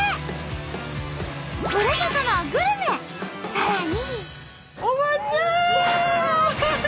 さらに。